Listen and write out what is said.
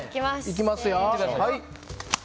いきます。